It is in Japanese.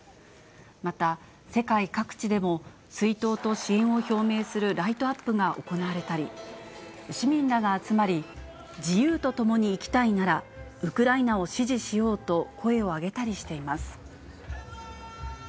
また世界各地でも、追悼と支援を表明するライトアップが行われたり、市民らが集まり、自由とともに生きたいならウクライナを支持しようと、声を上げたりしています。